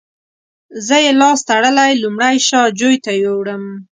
زه یې لاس تړلی لومړی شا جوی ته یووړم.